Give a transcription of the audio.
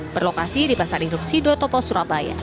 berlokasi di pasar induk sido topo surabaya